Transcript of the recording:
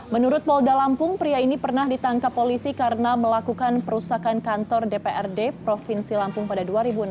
menurut polda lampung pria ini pernah ditangkap polisi karena melakukan perusakan kantor dprd provinsi lampung pada dua ribu enam belas